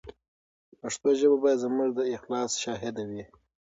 پښتو ژبه به زموږ د اخلاص شاهده وي.